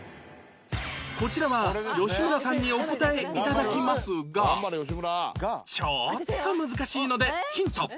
こちらは吉村さんにお答え頂きますがちょっと難しいのでヒント